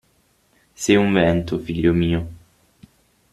Sei un vento, figlio mio.